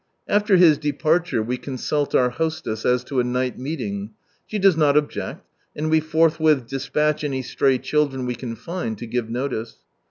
After his departure, we consult our hostess as to a night meeting; she does not object, and we forthwith despatch any stray children we can find to give notice.